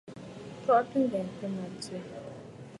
Kɔʼɔtə ŋghɛntə mə tswe.